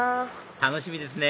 楽しみですね